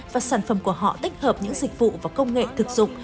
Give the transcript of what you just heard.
và sản phẩm của họ tích hợp những dịch vụ và công nghệ thực dụng